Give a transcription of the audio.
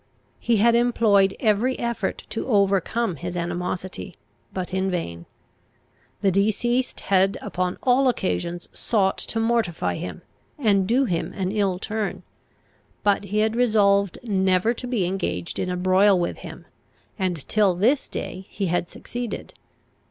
He had employed every effort to overcome his animosity, but in vain. The deceased had upon all occasions sought to mortify him, and do him an ill turn; but he had resolved never to be engaged in a broil with him, and till this day he had succeeded.